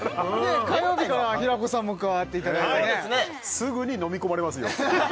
火曜日からは平子さんも加わっていただいてすぐにのみこまれますよ